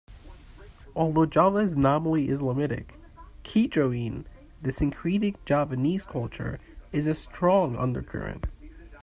Although Java is nominally Islamitic, "kejawen", the syncretic Javanese culture, is a strong undercurrent.